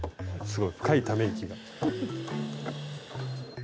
すごい深いため息が。